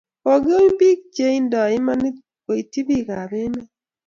Kogouny biik cheindoi imanit koityi bikap emet